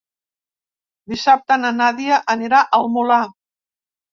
Dissabte na Nàdia anirà al Molar.